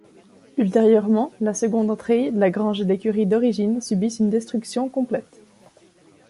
Ultérieurement, la seconde entrée, la grange et l'écurie d'origine subissent une destruction complète.